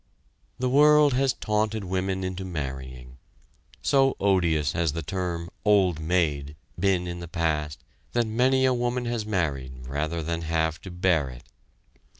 The world has taunted women into marrying. So odious has the term "old maid" been in the past that many a woman has married rather than have to bear it.